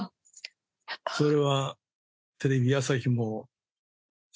それは。